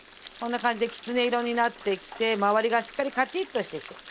こんな感じできつね色になってきて周りがしっかりカチッとしてきて。